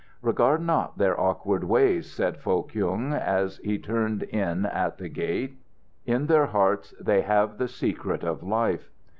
"Regard not their awkward ways," said Foh Kyung, as he turned in at the gate; "in their hearts they have the secret of life."